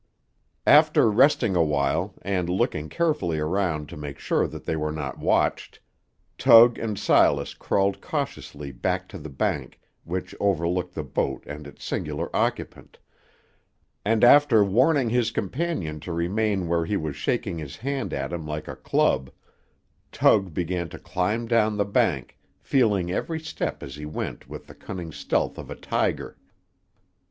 After resting a while, and looking carefully around to make sure that they were not watched, Tug and Silas crawled cautiously back to the bank which overlooked the boat and its singular occupant, and after warning his companion to remain where he was by shaking his hand at him like a club, Tug began to climb down the bank, feeling every step as he went with the cunning stealth of a tiger.